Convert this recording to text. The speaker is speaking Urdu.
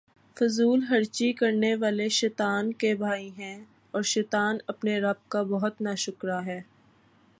فضول خرچی کرنے والے شیطان کے بھائی ہیں، اور شیطان اپنے رب کا بہت ناشکرا ہے